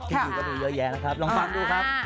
ทีมีก็มีเยอะแยะนะครับลองปรับดูครับ